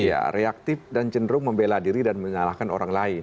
iya reaktif dan cenderung membela diri dan menyalahkan orang lain